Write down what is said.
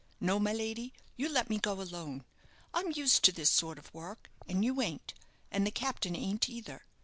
No, my lady, you let me go alone. I'm used to this sort of work, and you ain't, and the captain ain't either.